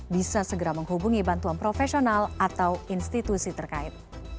bisa segera menghubungi bantuan profesional atau institusi terkait